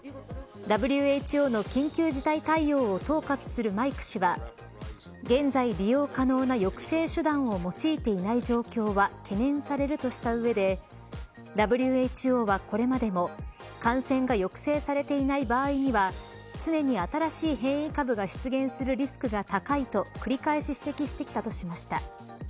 ＷＨＯの緊急事態対応を統括するマイク氏は現在利用可能な抑制手段を用いていない状況は懸念されるとしたうえでＷＨＯはこれまでも感染が抑制されていない場合には常に新しい変異株が出現するリスクが高いと繰り返し指摘してきました。